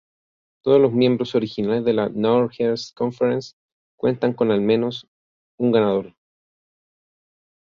Todos los miembros originales de la Northeast Conference cuentan con al menos un ganador.